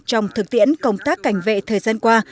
trong thực tiễn công tác cảnh vệ thời gian qua